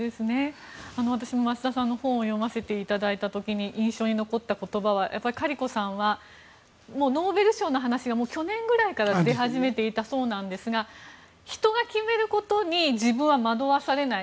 私も増田さんの本を読ませていただいた時に印象に残った言葉はカリコさんはノーベル賞の話が去年ぐらいから出始めていたそうなんですが人が決めることに自分は惑わされない。